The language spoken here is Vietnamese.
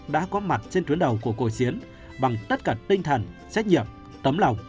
đã có mặt trên tuyến đầu của cuộc chiến bằng tất cả tinh thần xét nhiệm tấm lòng